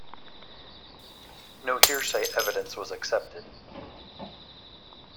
No hearsay evidence was accepted.